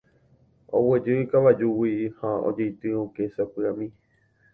Oguejy ikavajúgui ha ojeity oke sapy'ami.